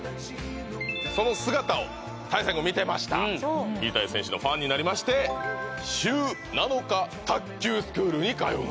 その姿をたいせい君見てました水谷選手のファンになりまして「週７日卓球スクールに通う」